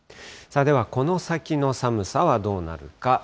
ではこの先の寒さはどうなるか。